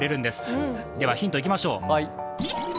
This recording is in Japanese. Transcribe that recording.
ではヒントいきましょう。